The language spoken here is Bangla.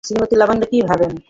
শ্রীমতী লাবণ্য কী ভাববেন।